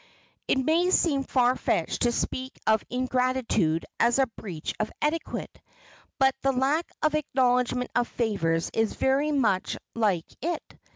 It may seem far fetched to speak of ingratitude as a breach of etiquette, but the lack of acknowledgment of favors is very much like it.